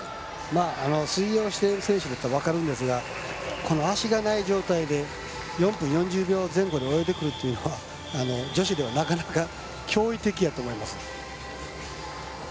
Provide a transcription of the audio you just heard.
水泳をしている選手だったら分かるんですが足のない状態で４分４０秒前後で泳いでくるっていうのは女子ではなかなか驚異的だと思います。